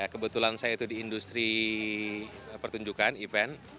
kebetulan saya itu di industri pertunjukan event